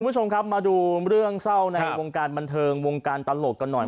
คุณผู้ชมครับมาดูเรื่องเศร้าในวงการบันเทิงวงการตลกกันหน่อย